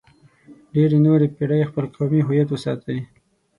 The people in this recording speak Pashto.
ډېرې نورې پېړۍ خپل قومي هویت وساتئ.